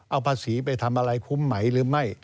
เอาภาษีไปทำอะไรคุ้มไหมหรือไม่